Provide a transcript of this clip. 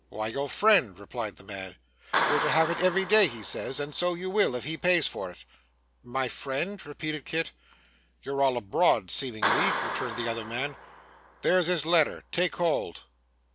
'Why, your friend,' replied the man. 'You're to have it every day, he says. And so you will, if he pays for it.' 'My friend!' repeated Kit. 'You're all abroad, seemingly,' returned the other man. 'There's his letter. Take hold!